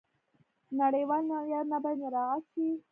نړیوال معیارونه باید مراعات شي.